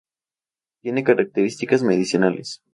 Tiene características medicinales.